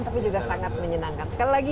tapi juga sangat menyenangkan sekali lagi